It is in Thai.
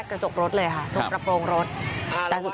กระทั่งตำรวจก็มาด้วยนะคะ